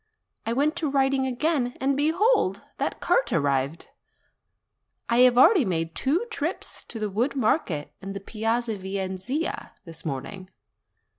I went to writing again, and behold! that cart arrived. I have already made two trips to the wood market in the Piazza Venezia this morning.